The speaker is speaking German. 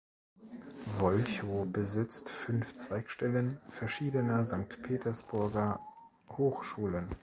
Wolchow besitzt fünf Zweigstellen verschiedener Sankt Petersburger Hochschulen.